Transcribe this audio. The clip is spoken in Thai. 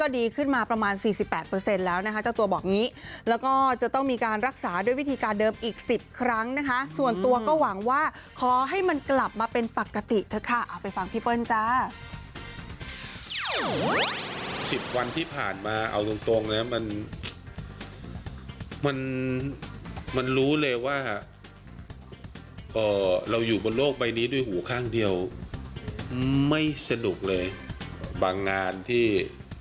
ดีขึ้นมาประมาณ๔๘แล้วนะคะเจ้าตัวบอกอย่างนี้แล้วก็จะต้องมีการรักษาด้วยวิธีการเดิมอีก๑๐ครั้งนะคะส่วนตัวก็หวังว่าขอให้มันกลับมาเป็นปกติเถอะค่ะเอาไปฟังพี่เปิ้ลจ้า๑๐วันที่ผ่านมาเอาตรงนะมันมันมันรู้เลยว่าเราอยู่บนโลกใบนี้ด้วยหูข้างเดียวไม่สนุกเลยบางงานที่